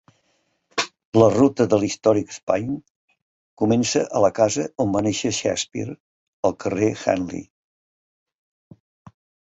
La ruta de l'Historic Spine comença a la casa on va néixer Shakespeare, al carrer Henley.